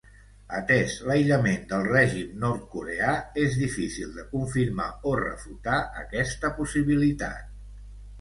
Atès l'aïllament del règim nord-coreà, és difícil de confirmar o refutar aquesta possibilitat.